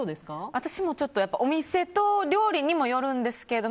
私もお店と料理にもよるんですけど